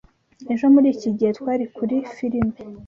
Ejo muri iki gihe, twari kuri firime.